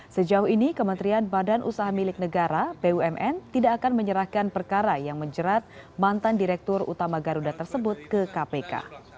sejauh ini kementerian badan usaha milik negara bumn tidak akan menyerahkan perkara yang menjerat mantan direktur utama garuda tersebut ke kpk